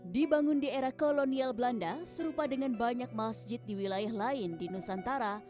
dibangun di era kolonial belanda serupa dengan banyak masjid di wilayah lain di nusantara